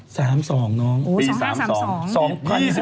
ต้องกลับปีอะไรคะเนี่ย